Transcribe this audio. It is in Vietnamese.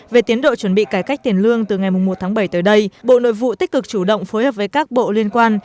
về tiến độ chuẩn bị cải cách tiền lương từ ngày một tháng bảy tới đây bộ nội vụ tích cực chủ động phối hợp với các bộ liên quan